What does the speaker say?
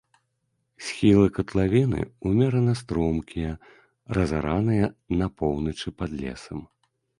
Схілы катлавіны ўмерана стромкія, разараныя, на поўначы пад лесам.